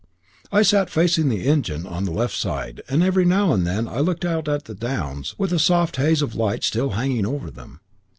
I sat facing the engine on the left side, and every now and then I looked out at the downs with a soft haze of light still hanging over them.